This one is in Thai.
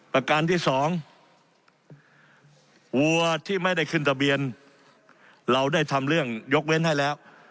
ประการที่สองวัวที่ไม่ได้ขึ้นทะเบียนเราได้ทำเรื่องยกเว้นให้แล้ว